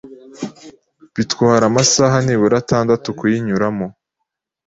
bitwara amasaha nibura atandatu kuyinyuramo